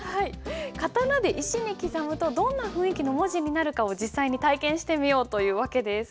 刀で石に刻むとどんな雰囲気の文字になるかを実際に体験してみようという訳です。